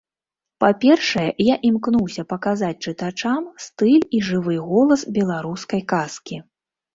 Па-першае, я імкнуўся паказаць чытачам стыль і жывы голас беларускай казкі.